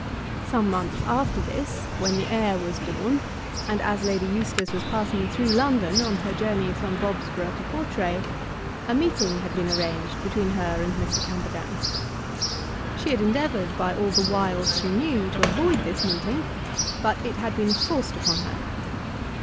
Some months after this, when the heir was born, and as Lady Eustace was passing through London on her journey from Bobsborough to Portray, a meeting had been arranged between her and Mr. Camperdown. She had endeavoured by all the wiles she knew to avoid this meeting, but it had been forced upon her.